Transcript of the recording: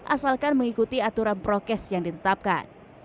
asalkan mengikuti aturan prokes yang ditetapkan